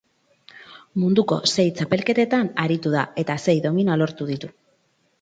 Munduko sei txapelketetan aritu da, eta sei domina lortu ditu.